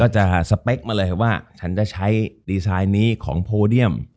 จะสเปคมาเลยว่าฉันจะใช้ดีไซน์นี้ของโพเดียม